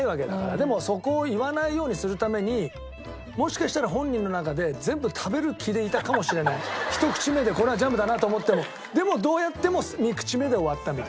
でもそこを言わないようにするためにもしかしたら本人の中で１口目でこれはジャムだなと思ってもでもどうやっても３口目で終わったみたいな。